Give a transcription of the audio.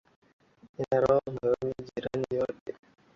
Nina raha moyoni majira yote,